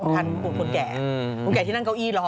ทันคนแก่คนแก่ที่นั่งเก้าอี้รอ